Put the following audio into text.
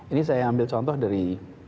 ini saya ambil contoh dari